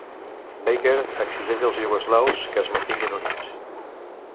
Baker exigeix als iugoslaus que es mantinguin units.